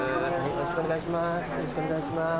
よろしくお願いします。